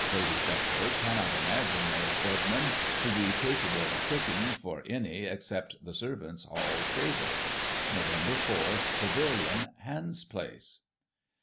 Lady Shuckburgh cannot imagine Mary Stedman to be capable of cooking for any, except the servants' hall table. Nov. 4, Pavilion, Hans Place."